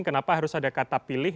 kenapa harus ada kata pilih